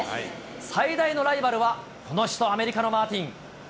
最大のライバルはこの人、アメリカのマーティン。